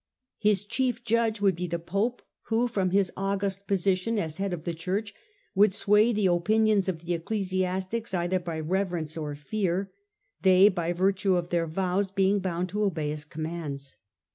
His chief judge would be the Pope, who, from his august position as head of the Church, would sway the opinions of the ecclesiastics either by reverence or fear ; they, by virtue of their vows, being bound to obey his com mands.